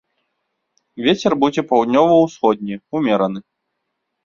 Вецер будзе паўднёва-ўсходні ўмераны.